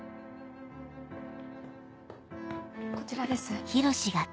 こちらです。